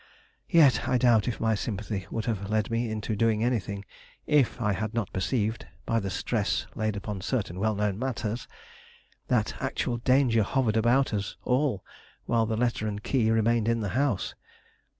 Yet I doubt if my sympathy would have led me into doing anything, if I had not perceived, by the stress laid upon certain well known matters, that actual danger hovered about us all while the letter and key remained in the house.